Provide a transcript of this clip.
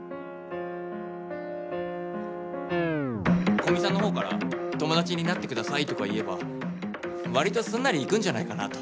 古見さんの方から「友達になって下さい」とか言えば割とすんなりいくんじゃないかなと。